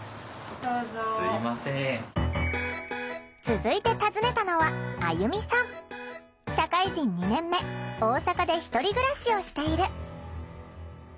続いて訪ねたのは社会人２年目大阪で１人暮らしをしている。